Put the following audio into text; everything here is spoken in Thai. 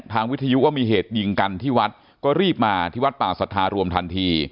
วิทยุก็มีเหตุยิงกันที่วัดก็รีบมาที่วัดป่าสัทธารวมทันที